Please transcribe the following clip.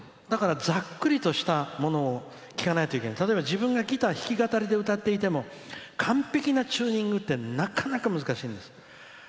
だから、ざっくりとしたものを聴かないといけない、例えば自分がギター弾き語りで歌ってても完璧なチューニングってなかなか難しいんです。